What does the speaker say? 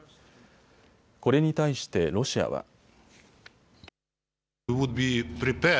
これに対してロシアは。